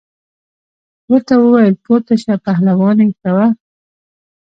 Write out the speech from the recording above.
ورته وویل پورته شه پهلواني کوه.